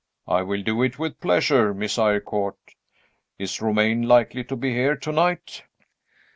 "I will do it with pleasure, Miss Eyrecourt. Is Romayne likely to be here to night?"